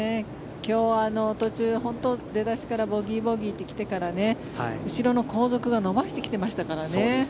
今日、途中、本当に出だしからボギー、ボギーと来てから後ろの後続が伸ばしてきてましたからね。